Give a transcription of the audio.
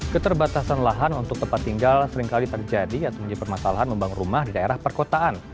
keterbatasan lahan untuk tempat tinggal seringkali terjadi atau menjadi permasalahan membangun rumah di daerah perkotaan